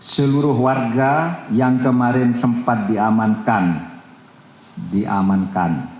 seluruh warga yang kemarin sempat diamankan diamankan